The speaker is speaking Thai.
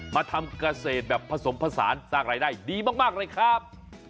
มาทำเกษตรแบบผสมผสานสร้างรายได้ดีมากเลยครับ